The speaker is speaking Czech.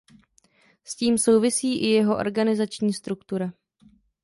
S tím souvisí i jeho organizační struktura.